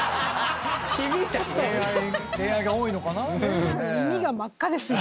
恋愛が多いのかな？